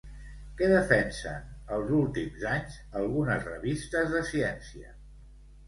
Què defensen, els últims anys, algunes revistes de ciència?